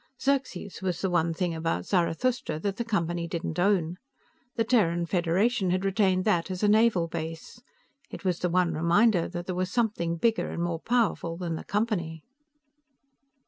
Xerxes was the one thing about Zarathustra that the Company didn't own; the Terran Federation had retained that as a naval base. It was the one reminder that there was something bigger and more powerful than the Company.